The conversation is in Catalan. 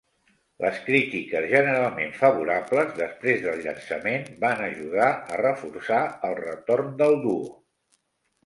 Les crítiques generalment favorables després del llançament van ajudar a reforçar el retorn del duo.